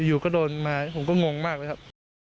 อยู่ก็โดนมาผมก็งงมากเลยครับ